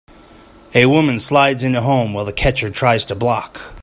A woman slides into home while the catcher tries to block.